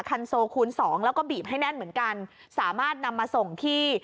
คันโซคูณสองแล้วก็บีบให้แน่นเหมือนกันสามารถนำมาส่งที่